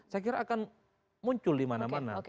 saya kira akan muncul dimana mana